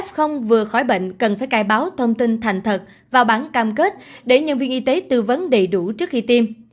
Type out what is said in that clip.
f vừa khỏi bệnh cần phải cài báo thông tin thành thật vào bản cam kết để nhân viên y tế tư vấn đầy đủ trước khi tiêm